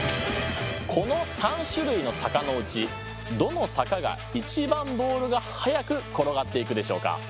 この３種類の坂のうちどの坂が一番ボールが速く転がっていくでしょうか。